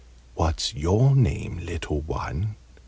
"What's your name, little one?"